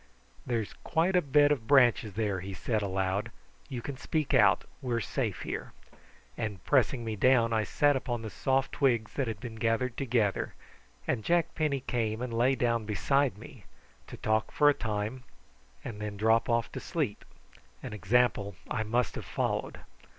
"There's quite a bed of branches there," he said aloud. "You can speak out, we are safe here;" and pressing me down I sat upon the soft twigs that had been gathered together, and Jack Penny came and lay down beside me, to talk for a time and then drop off to sleep, an example I must have followed.